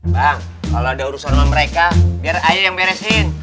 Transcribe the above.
bang kalau ada urusan sama mereka biar ayah yang beresin